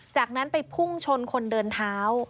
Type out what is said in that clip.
จากนั้นไปพุ่งชนคนเดินเท้า